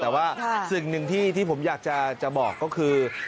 แต่ว่าสิ่งหนึ่งที่ผมอยากจะบอกก็คือ